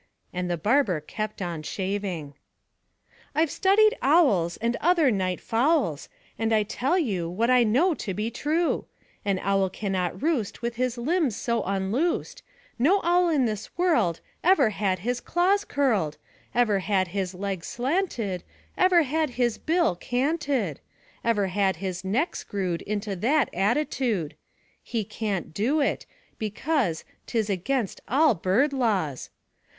And the barber kept on shaving. 'I've studied owls, And other night fowls, And I tell you What I know to be true; An owl cannot roost With his limbs so unloosed; No owl in this world Ever had his claws curled, Ever had his legs slanted, Ever had his bill canted, Ever had his neck screwed Into that attitude. He cant do it, because 'Tis against all bird laws.